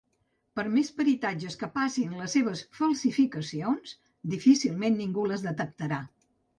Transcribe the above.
Per més peritatges que passin les seves falsificacions difícilment ningú les detectarà.